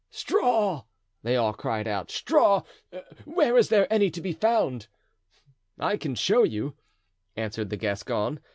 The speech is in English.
"Straw!" they all cried out, "straw! where is there any to be found?" "I can show you," answered the Gascon.